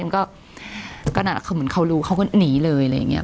มันก็ก็น่ะเขาเหมือนเขารู้เขาก็หนีเลยอะไรอย่างเงี้ย